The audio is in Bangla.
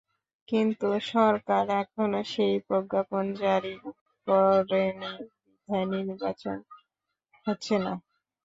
কিন্তু সরকার এখনো সেই প্রজ্ঞাপন জারি করেনি বিধায় নির্বাচন হচ্ছে না।